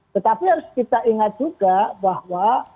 tetapi harus kita ingat juga bahwa